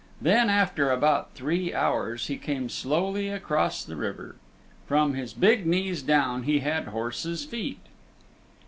Then after about three hours he came slowly across the river. From his big knees down he had horse's feet.